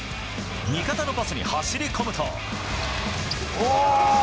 味方のパスに走り込むと。